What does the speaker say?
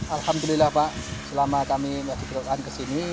alhamdulillah pak selama kami berkejutan ke sini